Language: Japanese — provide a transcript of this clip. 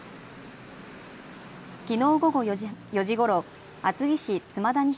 きのう午後４時ごろ、厚木市妻田西